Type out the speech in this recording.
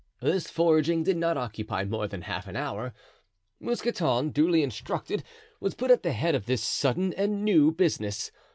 This foraging did not occupy more than half an hour. Mousqueton, duly instructed, was put at the head of this sudden and new business.